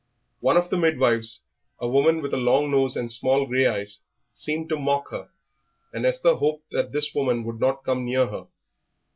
One of the midwives, a woman with a long nose and small grey eyes, seemed to mock her, and Esther hoped that this woman would not come near her.